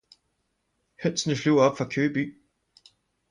Hønsene flyver op fra Køge by!